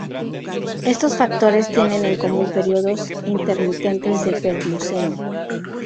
Estos factores tienen en común periodos intermitentes de hiperglucemia.